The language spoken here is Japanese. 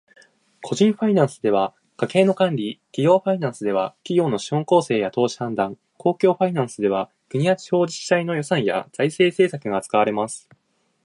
個人ファイナンスでは家計の管理、企業ファイナンスでは企業の資本構成や投資判断、公共ファイナンスでは国や地方自治体の予算や財政政策が扱われます。